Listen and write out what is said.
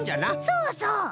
そうそう。